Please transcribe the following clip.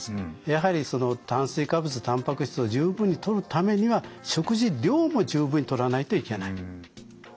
やはりその炭水化物たんぱく質を十分にとるためには食事量も十分にとらないといけない。